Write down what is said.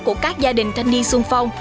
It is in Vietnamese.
của các gia đình thanh niên xuân phong